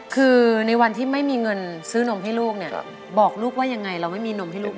คือในวันที่ไม่มีเงินซื้อนมให้ลูกเนี่ยบอกลูกว่ายังไงเราไม่มีนมให้ลูก